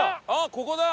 ここだ！